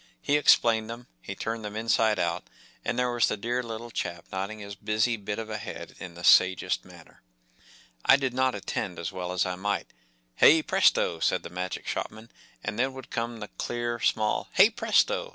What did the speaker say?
He explained them, he turned them inside out, and there was the dear little chap nodding his busy bit of a head in the sagest manner. I did not attend as well as I might. “ Hey, presto! ” said the Magic Shopman, and then would come the clear, small “ Hey, presto